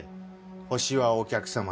ホシはお客様。